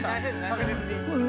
確実に！